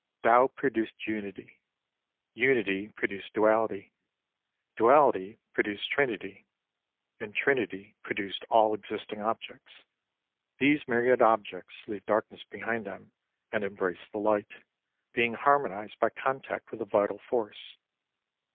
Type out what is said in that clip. Tao produced Unity ; Unity produced Duality ; Duality produced Trinity ; and Trinity produced all existing objects. These myriad objects leave darkness behind^ them and embrace the light, being harmonised by contact with the Vital Force.